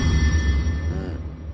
うん。